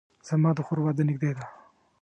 زما د خور واده نږدې ده